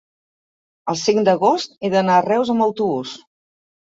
el cinc d'agost he d'anar a Reus amb autobús.